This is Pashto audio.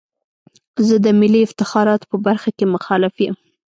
زه د ملي افتخاراتو په برخه کې مخالف یم.